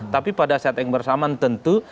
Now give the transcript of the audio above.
tapi pada saat yang bersamaan tentu